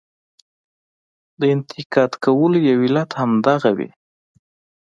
انتقاد کولو یو علت هم دغه وي.